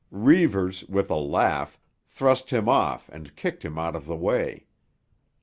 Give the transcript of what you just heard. Reivers, with a laugh, thrust him off and kicked him out of the way.